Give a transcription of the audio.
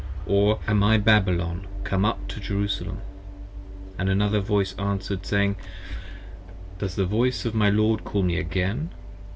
or am I 35 Babylon come up to Jerusalem? And another voice answer 'd, Saying: Does the voice of my Lord call me again?